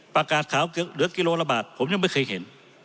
อากาศขาวเหลือกิโลละบาทผมยังไม่เคยเห็น